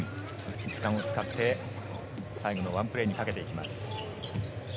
時間を使って、最後のワンプレーにかけていきます。